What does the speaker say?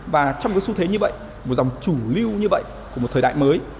và trong cái xu thế như vậy một dòng chủ lưu như vậy của một thời đại mới